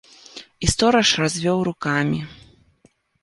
І стораж развёў рукамі.